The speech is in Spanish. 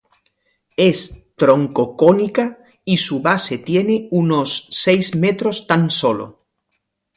Es troncocónica y su base tiene unos seis metros tan sólo.